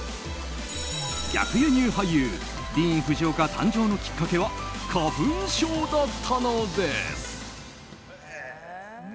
逆輸入俳優ディーン・フジオカ誕生のきっかけは花粉症だったのです。